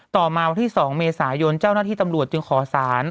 ต่อมาวันที่๒เมษายนเจ้าหน้าที่ตำรวจจึงขอสาร